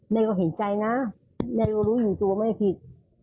แม่ก็เห็นใจนะแม่ก็รู้อยู่ตัวแม่ผิด